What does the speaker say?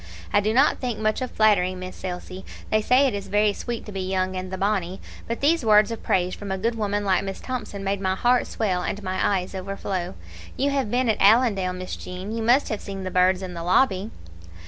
I do not think much of flattery, Miss Elsie they say it is very sweet to the young and the bonnie but these words of praise from a good woman like Miss Thomson made my heart swell and my eyes overflow. You have been at Allendale, Miss Jean; you must have seen the birds in the lobby."